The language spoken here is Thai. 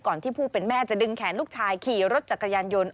ที่ผู้เป็นแม่จะดึงแขนลูกชายขี่รถจักรยานยนต์